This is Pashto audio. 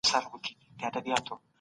په دې وخت کي علم او پوهې پرمختګ نه کاوه.